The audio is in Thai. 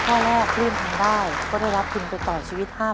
ข้อแรกปลื้มทำได้ก็ได้รับทุนไปต่อชีวิต๕๐๐